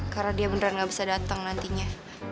karena dia beneran gak bisa dateng nantinya